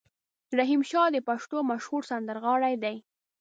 رحیم شا د پښتو مشهور سندرغاړی دی.